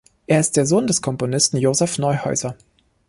Er ist der Sohn des Komponisten Joseph Neuhäuser.